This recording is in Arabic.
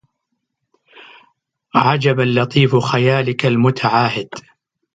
عجبا لطيف خيالك المتعاهد